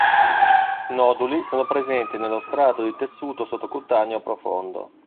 Noduli sono presenti nello strato di tessuto sottocutaneo profondo.